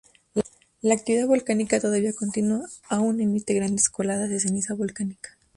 La actividad volcánica todavía continúa: aún emite grandes coladas de ceniza volcánica.